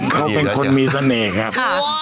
เขาเป็นคนมีเสน่ห์ครับ